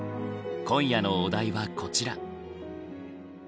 今夜のお題はこちら。